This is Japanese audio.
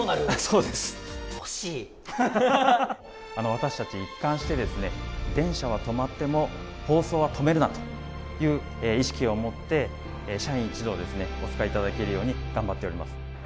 私たち一貫して「電車が止まっても放送は止めるな！」という意識を持って社員一同ですねお使いいただけるように頑張っております。